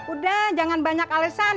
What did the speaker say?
udah jangan banyak alesan